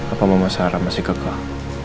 apa mama sarah masih gegah